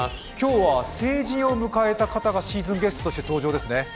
今日は成人を迎えた方がシーズンゲストとして登場ですね？